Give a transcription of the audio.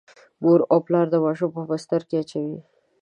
مور او پلار ماشوم په بستره کې اچوي.